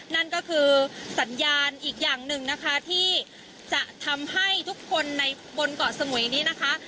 นั่นก็คือสัญญาณอีกอย่างหนึ่งนะคะที่จะทำให้ทุกคนในบนเกาะสมุยนี้นะคะ